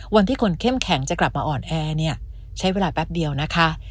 วันที่คนเข้มแข็งจะกลับมาอ่อนแอเนี่ยใช้เวลาแป๊บเดียวนะคะ